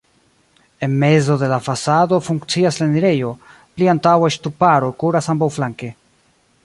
En mezo de la fasado funkcias la enirejo, pli antaŭe ŝtuparo kuras ambaŭflanke.